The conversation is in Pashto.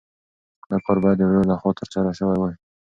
دا کار باید د ورور لخوا ترسره شوی وای.